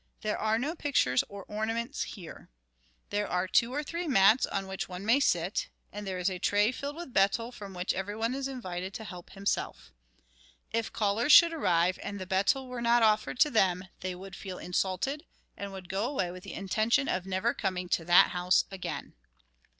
There are no pictures or ornaments here. There are two or three mats on which one may sit, and there is a tray filled with betel from which every one is invited to help himself. If callers should arrive and the betel were not offered to them, they would feel insulted and would go away with the intention of never coming to that house again.